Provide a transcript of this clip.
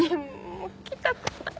もう聞きたくない。